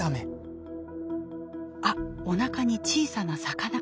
あっおなかに小さな魚。